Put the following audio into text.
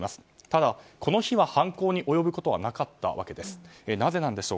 ただ、この日は犯行に及ぶことはなかったわけなんです。